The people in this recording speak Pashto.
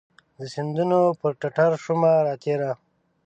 د سیندونو پر ټټرشومه راتیره